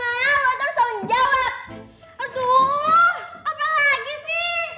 aduh apa lagi sih